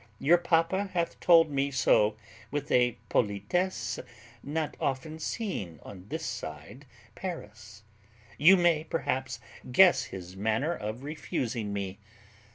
Your papa hath told me so with a politesse not often seen on this side Paris. You may perhaps guess his manner of refusing me.